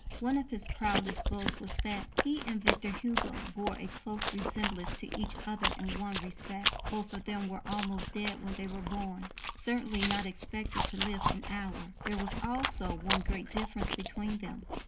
One of his proudest boasts was that he and Victor Hugo bore a close resemblance to each other in one respect: both of them were almost dead when they were born, "certainly not expected to live an hour." There was also one great difference between them.